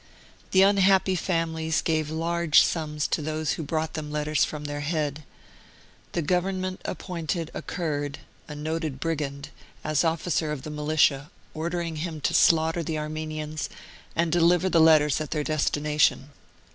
The unhappy families gave large sums to those who brought them letters from their Head. The Government appointed a Kurd, a noted brigand, as officer of the Militia, ordering him to slaughter the Armenians and deliver the letters at their destination.